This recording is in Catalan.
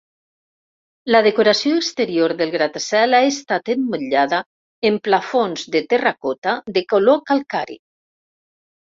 La decoració exterior del gratacel ha estat emmotllada en plafons de terracota de color calcari.